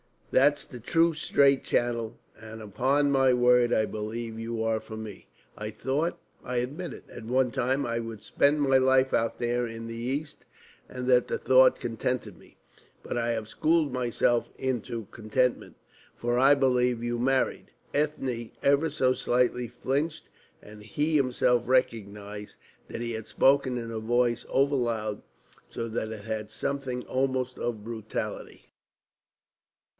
There's the true straight channel, and upon my word I believe you are for me. I thought I admit it at one time I would spend my life out there in the East, and the thought contented me. But I had schooled myself into contentment, for I believed you married." Ethne ever so slightly flinched, and he himself recognised that he had spoken in a voice overloud, so that it had something almost of brutality.